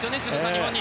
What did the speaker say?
日本に！